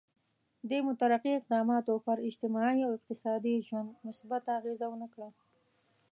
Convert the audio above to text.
دې مترقي اقداماتو پر اجتماعي او اقتصادي ژوند مثبته اغېزه ونه کړه.